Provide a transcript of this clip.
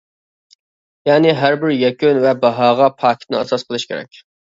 يەنى ھەربىر يەكۈن ۋە باھاغا پاكىتنى ئاساس قىلىش كېرەك.